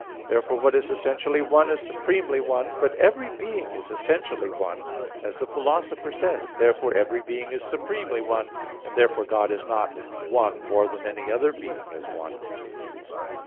Therefore what is essentially one is supremely one. But every being is essentially one, as the Philosopher says (Metaph. iv). Therefore every being is supremely one; and therefore God is not one more than any other being is _one.